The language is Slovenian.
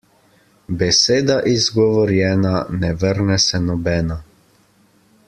Beseda izgovorjena, ne vrne se nobena.